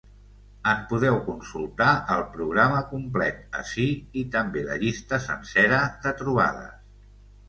En podeu consultar el programa complet ací i també la llista sencera de trobades.